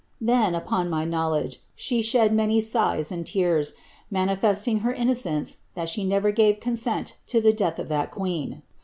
Then, upon my knowledge, she shed many sighs and tears, manifesting her innocence that she never gave eoosent to the death of that queen.